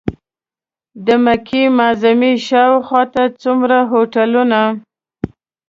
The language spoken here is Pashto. د مکې معظمې شاوخوا څومره هوټلونه.